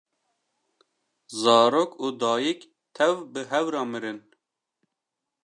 zarok û dayîk tev bi hev re mirin